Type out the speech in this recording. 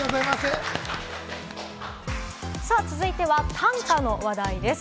続いては短歌の話題です。